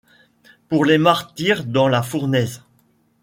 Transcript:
Pour les martyrs dans la fournaise